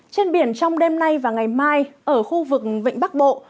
trên biển trong đêm nay và ngày mai ở khu vực vịnh bắc bộ